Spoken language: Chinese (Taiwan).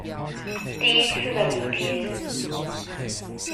第一次的離別